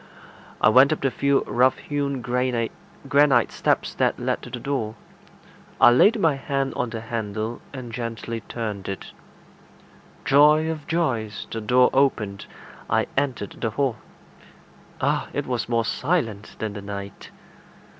I went up the few rough hewn granite steps that led to the door. I laid my hand on the handle, and gently turned it. Joy of joys! the door opened. I entered the hall. Ah! it was more silent than the night.